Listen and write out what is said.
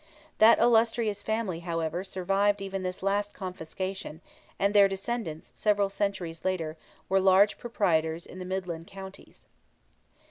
That illustrious family, however, survived even this last confiscation, and their descendants, several centuries later, were large proprietors in the midland counties.